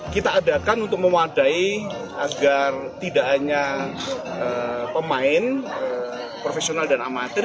kita adakan untuk memadai agar tidak hanya pemain profesional dan amatir